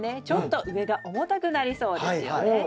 ちょっと上が重たくなりそうですよね。